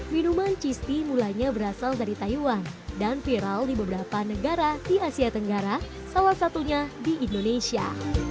minuman cheese tea mulainya berasal dari taiwan dan viral di beberapa negara di asia tenggara salah satunya di indonesia